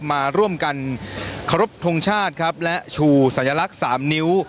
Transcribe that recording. มาร่วมกันขอรับทรงชาติครับและชูสัญลักษณ์๓นิ้ว